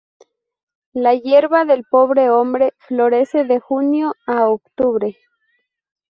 La hierba del pobre hombre florece de junio a octubre.